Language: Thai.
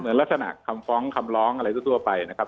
ลักษณะคำฟ้องคำร้องอะไรทั่วไปนะครับ